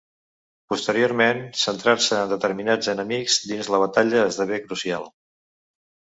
Posteriorment, centrar-se en determinats enemics dins la batalla esdevé crucial.